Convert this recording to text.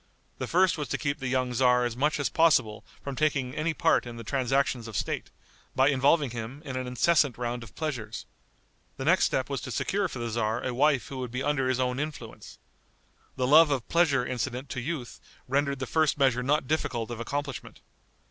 The first was to keep the young tzar as much as possible from taking any part in the transactions of state, by involving him in an incessant round of pleasures. The next step was to secure for the tzar a wife who would be under his own influence. The love of pleasure incident to youth rendered the first measure not difficult of accomplishment.